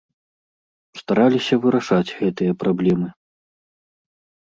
Стараліся вырашаць гэтыя праблемы.